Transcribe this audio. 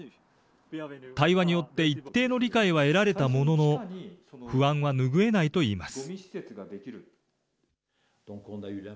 対話によって一定の理解は得られたものの、不安は拭えないといいます。